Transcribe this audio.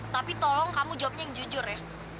tapi tolong kamu jawabnya yang jujur ya